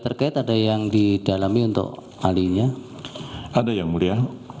terima kasih yang mulia